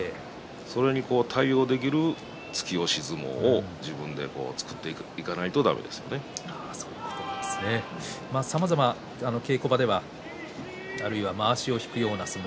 それに対応できる突き押し相撲を自分で作っていかないと稽古場ではまわしを引くような相撲